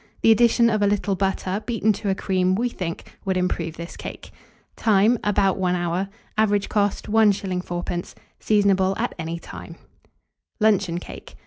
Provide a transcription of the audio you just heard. The addition of a little butter, beaten to a cream, we think, would improve this cake. Time. About 1 hour. Average cost, 1s. 4d. Seasonable at any time. LUNCHEON CAKE.